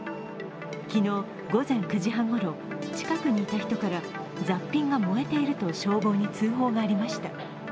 昨日午前９時半ごろ近くにいた人から雑品が燃えていると消防に通報がありました。